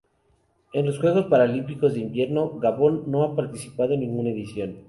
En los Juegos Paralímpicos de Invierno Gabón no ha participado en ninguna edición.